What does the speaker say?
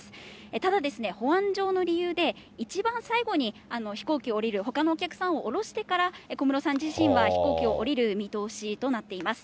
ただですね、保安上の理由で一番最後に飛行機を降りる、ほかのお客さんを降ろしてから小室さん自身は飛行機を降りる見通しとなっています。